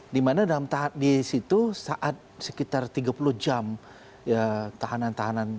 dimana dalam tahap di situ saat sekitar tiga puluh jam tahanan tahanan